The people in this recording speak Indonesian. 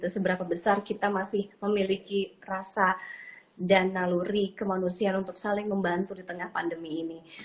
seberapa besar kita masih memiliki rasa dan naluri kemanusiaan untuk saling membantu di tengah pandemi ini